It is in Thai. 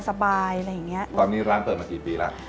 ตอนนี้ร้านเปิดมากี่ปีละ